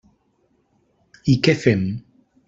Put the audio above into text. I què fem?